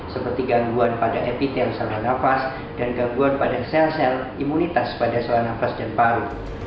seperti gangguan pada epitel saluran nafas dan gangguan pada sel sel imunitas pada saluran nafas dan paru